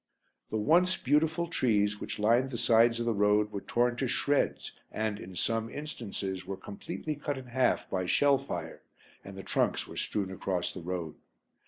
The once beautiful trees which lined the sides of the road were torn to shreds and, in some instances, were completely cut in half by shell fire and the trunks were strewn across the road.